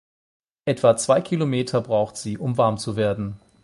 Etwa zwei Kilometer braucht sie, um warm zu werden.